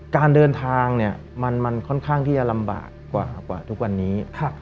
การเดินทางเนี่ยมันค่อนข้างที่จะลำบากกว่าทุกวันนี้